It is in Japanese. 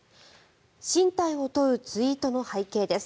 進退を問うツイートの背景です。